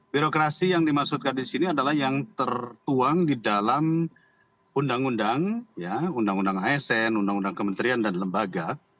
birokrasi yang dimaksudkan di sini adalah yang tertuang di dalam undang undang undang asn undang undang kementerian dan lembaga